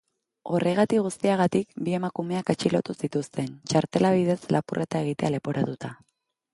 Horregatik guztiagatik, bi emakumeak atxilotu zituzten, txartela bidez lapurreta egitea leporatuta.